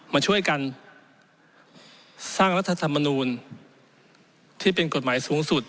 มาช่วยกันสร้างรัฐธรรมนูลที่เป็นกฎหมายสูงสุด